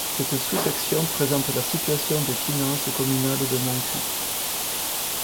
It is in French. Cette sous-section présente la situation des finances communales de Montcuq.